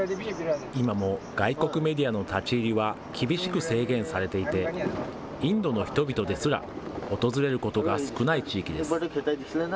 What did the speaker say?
今も外国メディアの立ち入りは厳しく制限されていて、インドの人々ですら、訪れることが少ない地域です。